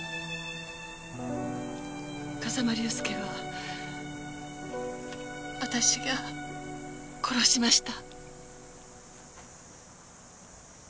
風間隆介は私が殺しました。